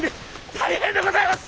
大変でございます！